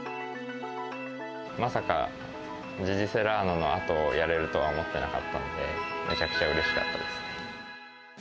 まさかジジセラーノのあとをやれるとは思ってなかったので、めちゃくちゃうれしかったです。